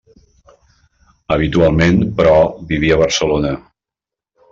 Habitualment, però, vivia a Barcelona.